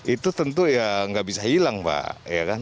itu tentu ya nggak bisa hilang pak